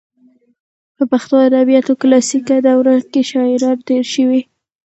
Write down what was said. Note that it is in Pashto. په پښتو ادبیاتو کلاسیکه دوره کې شاعران تېر شوي.